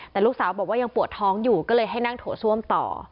แต่ลูกสาวบอกว่ายังปวดท้องอยู่ก็เลยให้นั่งโถส้วมต่อ